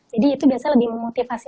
jadi itu biasa lebih memotivasi